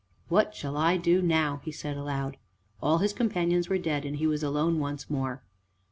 "What shall I do now?" he said aloud. All his companions were dead, and he was alone once more.